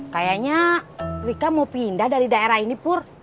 kayaknya rika mau pindah dari daerah ini pur